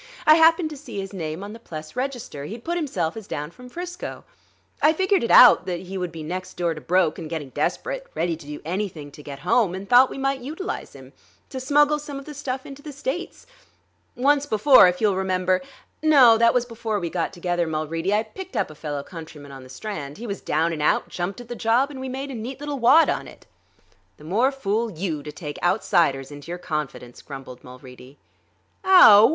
I happened to see his name on the Pless register; he'd put himself down as from 'Frisco. I figured it out that he would be next door to broke and getting desperate, ready to do anything to get home; and thought we might utilize him; to smuggle some of the stuff into the States. Once before, if you'll remember no; that was before we got together, Mulready I picked up a fellow countryman on the Strand. He was down and out, jumped at the job, and we made a neat little wad on it." "The more fool you, to take outsiders into your confidence," grumbled Mulready. "Ow?"